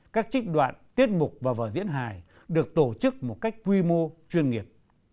các trích đoạn tiết mục và vở diễn hài được tổ chức một cách quy mô chuyên nghiệp